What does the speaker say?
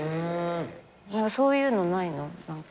そういうのないの？